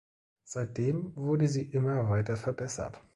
Seitdem wurde sie immer weiter verbessert.